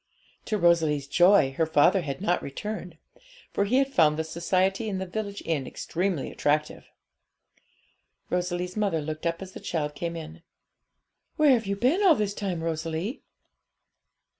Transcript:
To Rosalie's joy, her father had not returned; for he had found the society in the village inn extremely attractive. Rosalie's mother looked up as the child came in. 'Where have you been all this time, Rosalie?'